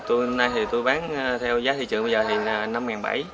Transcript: từ nay thì tôi bán theo giá thị trường bây giờ thì năm đồng